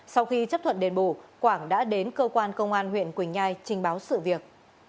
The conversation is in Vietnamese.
sau khi chấp thuận đền bù quảng đã đến cơ quan công an huyện quỳnh nhai trình báo sự việc